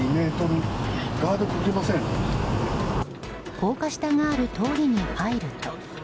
高架下がある通りに入ると。